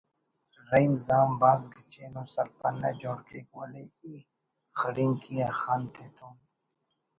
رحیم زام بھاز گچین ءُ سرپنہ جوڑ کیک “ ولے ای خڑینکی آ خن تتون